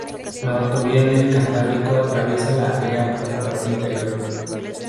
La autovía del Cantábrico atraviesa la ría por su parte interior.